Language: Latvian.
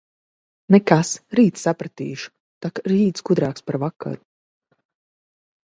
Nekas, rīt sapratīšu, tak rīts gudrāks par vakaru.